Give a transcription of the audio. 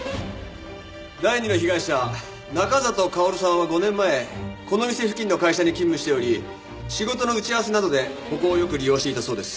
第二の被害者中里薫さんは５年前この店付近の会社に勤務しており仕事の打ち合わせなどでここをよく利用していたそうです。